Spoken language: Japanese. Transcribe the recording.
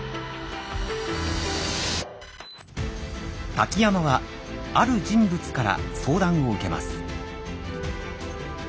瀧山はある人物から相談を受けます。